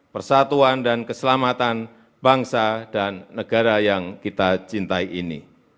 persatuan dan keselamatan bangsa dan negara yang kita cintai ini